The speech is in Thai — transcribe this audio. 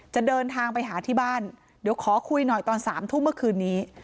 จะเดินทางไปหาที่บ้านเดี๋ยวขอคุยหน่อยตอน๓ทุ่มเมื่อคืนนี้